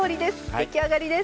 出来上がりです。